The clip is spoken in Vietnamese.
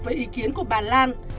với ý kiến của bà lan